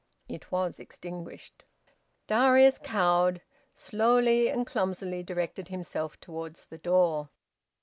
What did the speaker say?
It was extinguished. Darius, cowed, slowly and clumsily directed himself towards the door.